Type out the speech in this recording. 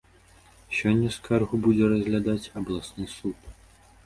Сёння скаргу будзе разглядаць абласны суд.